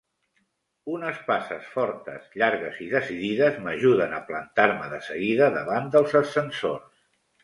Unes passes fortes, llargues i decidides m'ajuden a plantar-me de seguida davant dels ascensors.